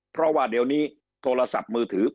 เพราะว่าเดี๋ยวนี้โทรศัพท์มือถือ